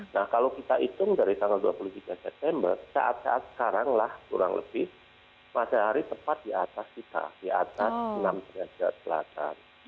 nah kalau kita hitung dari tanggal dua puluh tiga september saat saat sekarang lah kurang lebih matahari tepat di atas kita di atas enam derajat selatan